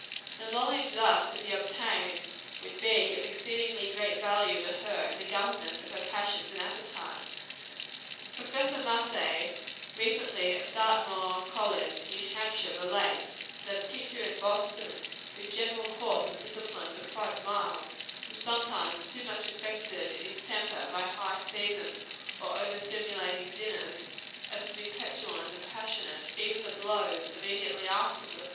The knowledge thus to be obtained, would be of exceeding great value to her in the government of her passions and appetites. Prof. Mussey, recently of Dartmouth College, in New Hampshire, relates, that a teacher in Boston, whose general course of discipline was quite mild, was sometimes so much affected in his temper by high seasoned or over stimulating dinners, as to be petulant and passionate, even to blows, immediately afterward.